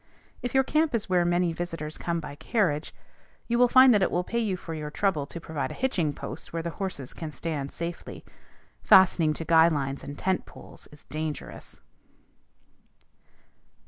If your camp is where many visitors will come by carriage, you will find that it will pay you for your trouble to provide a hitching post where the horses can stand safely. Fastening to guy lines and tent poles is dangerous.